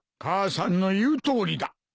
母さんの言うとおりだ。